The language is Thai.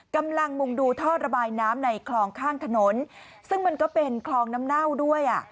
กำลังมุ่งดูท่อระบายน้ำในคลองข้างถนนซึ่งมันก็เป็นคลองน้ำเน่าด้วยอ่ะ